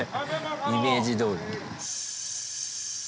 イメージどおり。